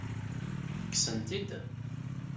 Kksen-t-id?